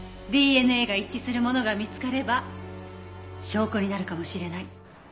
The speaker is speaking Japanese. ＤＮＡが一致するものが見つかれば証拠になるかもしれない。